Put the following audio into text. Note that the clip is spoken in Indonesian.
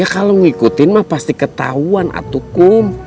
ya kalo ngikutin mah pasti ketauan atukum